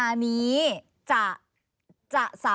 แบบที่แบบเอ่อ